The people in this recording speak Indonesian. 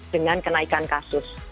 dengan kenaikan kasus